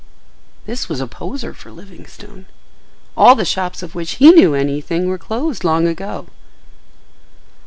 This was a poser for Livingstone. All the shops of which he knew anything were closed long ago.